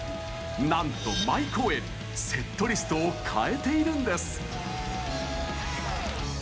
なんと毎公演セットリストを変えているんです。